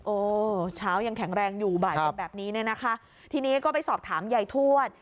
โอ้เช้ายังแข็งแรงอยู่บ่ายเป็นแบบนี้เนี่ยนะคะทีนี้ก็ไปสอบถามยายทวด